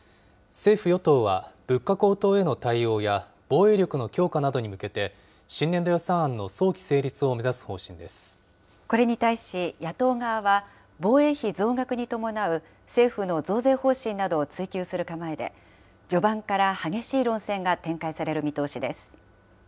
政府・与党は、物価高騰への対応や防衛力の強化などに向けて、新年度予算案の早これに対し、野党側は防衛費増額に伴う政府の増税方針などを追及する構えで、序盤から激しい論戦が展開される見通しです。